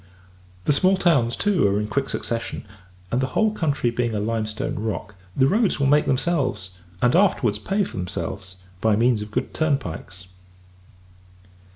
The small towns, too, are in quick succession; and, the whole country being a limestone rock, the roads will make themselves, and afterwards pay themselves, by means of good turnpikes.